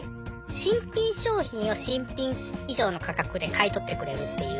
新品商品を新品以上の価格で買い取ってくれるっていう。